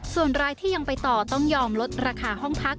ส่วนรายที่ยังไปต่อต้องยอมลดราคาห้องพัก